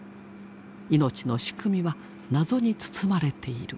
命の仕組みは謎に包まれている。